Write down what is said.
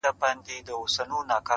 گراني فريادي دي بـېــگـــاه وويل,